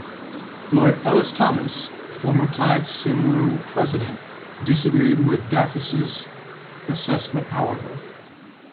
Lord Elis-Thomas, former Plaid Cymru president, disagreed with Dafis' assessment, however.